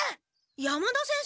山田先生！